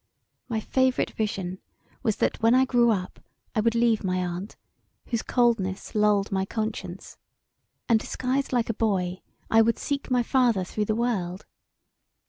My favourite vision was that when I grew up I would leave my aunt, whose coldness lulled my conscience, and disguised like a boy I would seek my father through the world.